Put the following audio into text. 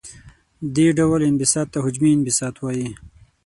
دې ډول انبساط ته حجمي انبساط وايي.